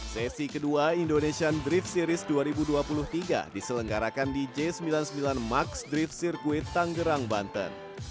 sesi kedua indonesian drift series dua ribu dua puluh tiga diselenggarakan di j sembilan puluh sembilan max drift circuit tanggerang banten